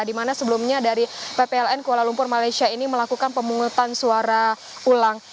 di mana sebelumnya dari ppln kuala lumpur malaysia ini melakukan pemungutan suara ulang